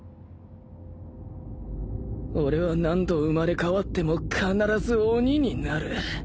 俺は何度生まれ変わっても必ず鬼になる